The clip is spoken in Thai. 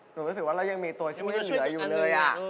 รู้สึกว่าเรายังมีตัวช่วยเหลืออยู่เลย